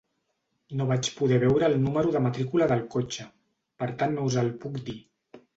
No vaig poder veure el número de matrícula del cotxe, per tant no us el puc dir.